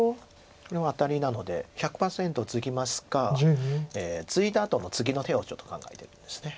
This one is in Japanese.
これはアタリなので１００％ツギますがツイだあとの次の手をちょっと考えてるんです。